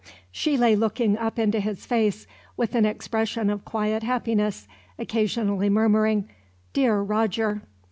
She lay looking up into his face, with an expression of quiet happiness, occasionally murmuring, "Dear Roger."